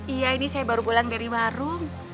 iya ini saya baru pulang dari warung